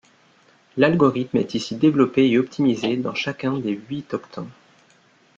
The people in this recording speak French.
L’algorithme est ici développé et optimisé dans chacun des huit octants.